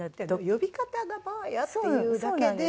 呼び方が「ばあや」っていうだけで。